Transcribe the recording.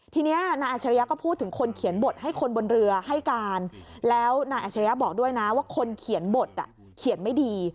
ทีนี้นายอัชริยะก็พูดถึงคนเขียนบทให้คนบนเรือให้การแล้วนายอัชริยะบอกด้วยนะว่าคนเขียนบทเขียนไม่ดี